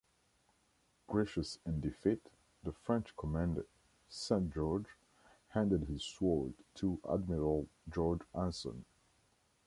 Gracious in defeat, the French Commander, Saint-Georges, handed his sword to Admiral George Anson.